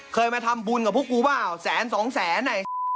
เคยมาทำบุญกับพวกกูเปล่าแสนสองแสนอ่ะ